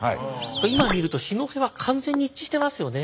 今見ると四戸は完全に一致してますよね。